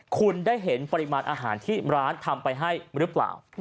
คุณได้เห็นปริมาณอาหารที่ร้านทำไปให้หรือเปล่า